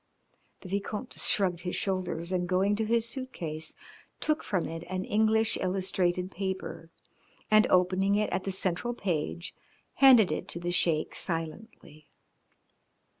The Vicomte shrugged his shoulders, and, going to his suit case, took from it an English illustrated paper, and opening it at the central page handed it to the Sheik silently.